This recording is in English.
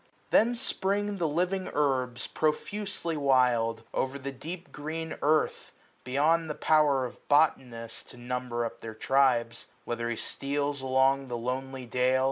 220 Then spring the living herbs, profusely wild, 0*er all the deep green earth, beyond the power Of botanist to number up their tribes : Whether he steals along the lonely dale.